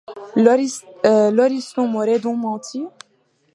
Lauriston m'aurait donc menti ?